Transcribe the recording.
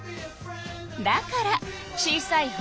だから小さい針